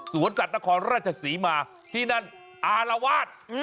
สวนสัตว์นครราชศรีมาที่นั่นอารวาส